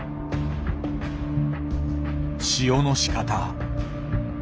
塩のしかた。